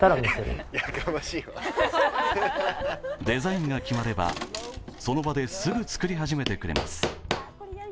デザインが決まればその場ですぐ作り始めてくれます。